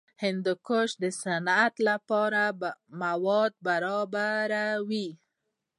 هندوکش د صنعت لپاره مواد برابروي.